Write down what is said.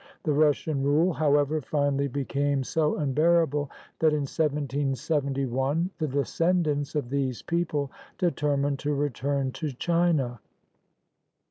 The Russian rule, however, finally became so unbearable that in 1 77 1 the descendants of these people determined to re turn to China.